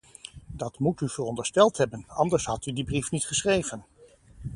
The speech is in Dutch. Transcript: Dat moet u verondersteld hebben, anders had u die brief niet geschreven.